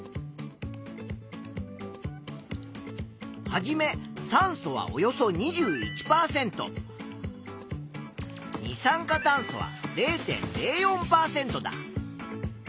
はじめ酸素はおよそ２１％二酸化炭素は０．０４％だ。